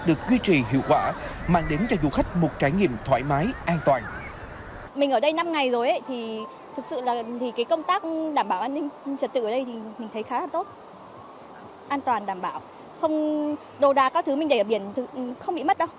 được duy trì hiệu quả mang đến cho du khách một trải nghiệm thoải mái an toàn